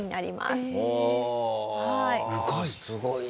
すごいな。